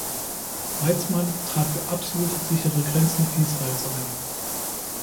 Weizman trat für „absolut sichere Grenzen“ Israels ein.